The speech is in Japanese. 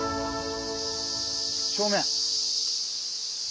正面。